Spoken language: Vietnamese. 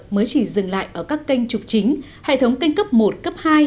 mới chỉ dừng lại ở các kênh trục chính hệ thống kênh cấp một cấp hai